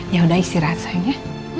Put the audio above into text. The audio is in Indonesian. yaudah isi rasanya